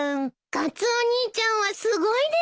カツオお兄ちゃんはすごいです。